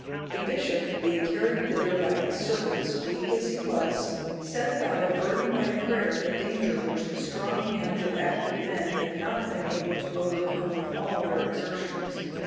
The bishop, being carried thither by his servants, weak as he was, set about averting by prayer the danger which the strong hands of active men had not been able to overcome with all their exertions.